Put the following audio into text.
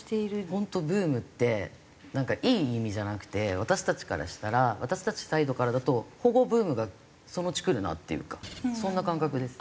本当ブームってなんかいい意味じゃなくて私たちからしたら私たちサイドからだと保護ブームがそのうち来るなっていうかそんな感覚です。